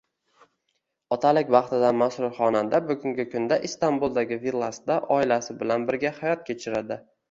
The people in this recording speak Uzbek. Otalik baxtidan masrur xonanda bugungi kunda Istanbuldagi villasida oilasi bilan birga hayot kechiradi